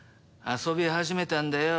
遊び始めたんだよ。